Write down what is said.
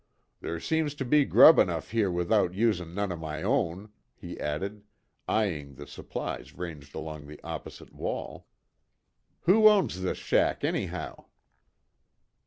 They seems to be grub enough here without usin' none of my own," he added, eying the supplies ranged along the opposite wall, "Who owns this shack, anyhow?"